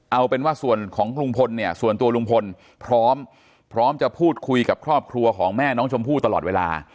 เอาเป็นว่าส่วนของลุงพลเนี่ยส่วนตัวลุงพลพร้อมพร้อมจะพูดคุยกับครอบครัวของแม่น้องชมพู่ตลอดเวลา